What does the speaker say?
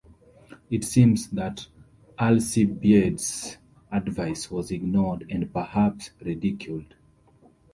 It seems that Alcibiades' advice was ignored and perhaps ridiculed.